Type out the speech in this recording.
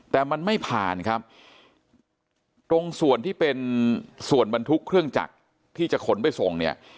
แต่มันไม่ผ่านครับตรงส่วนที่เป็นส่วนบรรทุกเครื่องจักรที่จะขนไปส่งเนี่ย